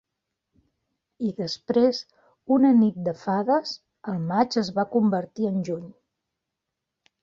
I després, una nit de fades, el maig es va convertir en juny.